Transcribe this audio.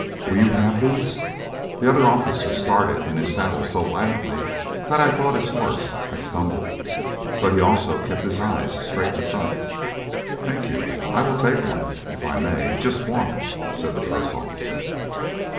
"Will you have these?" The other officer started in his saddle so violently that I thought his horse had stumbled, but he also kept his eyes straight in front. "Thank you, I will take one if I may just one," said the first officer.